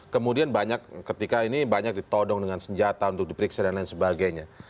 kemudian banyak ketika ini banyak ditodong dengan senjata untuk diperiksa dan lain sebagainya